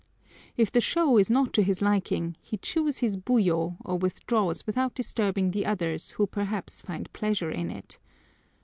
If the show is not to his liking, he chews his buyo or withdraws without disturbing the others who perhaps find pleasure in it.